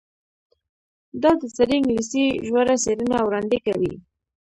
دا د زړې انګلیسي ژوره څیړنه وړاندې کوي.